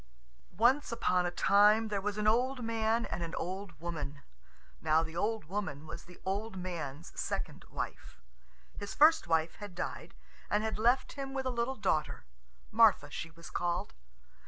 Once upon a time there were an old man and an old woman. Now the old woman was the old man's second wife. His first wife had died, and had left him with a little daughter: Martha she was called.